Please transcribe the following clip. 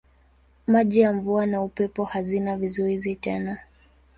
Maji ya mvua na upepo hazina vizuizi tena.